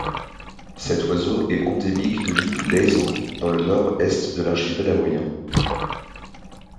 Cet oiseau est endémique de l'île de Laysan dans le nord-est de l'archipel hawaïen.